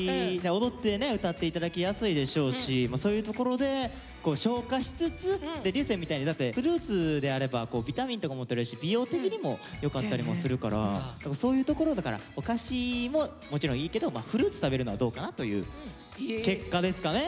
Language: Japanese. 踊ってね歌って頂きやすいでしょうしそういうところで消化しつつ流星みたいにだってフルーツであればビタミンとかもとれるし美容的にも良かったりもするからそういうところをだからおかしももちろんいいけどフルーツ食べるのはどうかなという結果ですかね。